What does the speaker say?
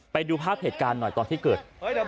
ไปดูภาพเหตุการณ์หน่อยตอนที่เกิด